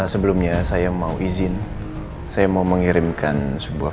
sebelumnya saya mau izin saya mau mengirimkan sebuah